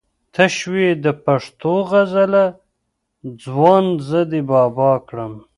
ته شوې د پښتو غزله ځوان زه دې بابا کړم